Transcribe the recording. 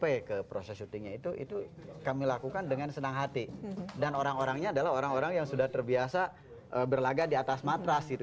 sampai ke proses syutingnya itu itu kami lakukan dengan senang hati dan orang orangnya adalah orang orang yang sudah terbiasa berlagak di atas matras gitu